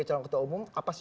kapan pak deklarasi